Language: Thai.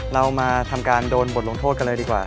เรามาทำการโดนบทลงโทษกันเลยดีกว่า